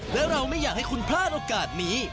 และเราไม่อยากให้คุณพลาดโอกาสนี้